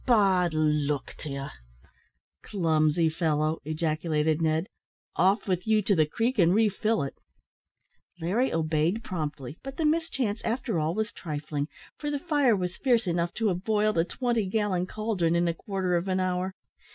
"Oh! bad luck to ye!" "Clumsy fellow!" ejaculated Ned. "Off with you to the creek, and refill it." Larry obeyed promptly, but the mischance, after all, was trifling, for the fire was fierce enough to have boiled a twenty gallon caldron in a quarter of an hour.